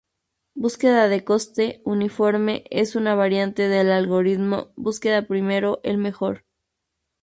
Búsqueda de Costo Uniforme es una variante del algoritmo Búsqueda Primero el Mejor.